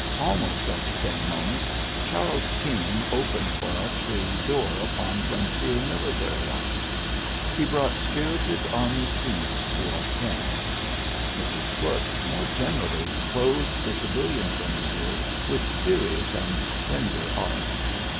Almost at the same moment Charles King opened for us the door upon frontier military life. He brought spirited army scenes to our ken, Mrs. Foote more generally clothed the civilian frontier with serious and tender art.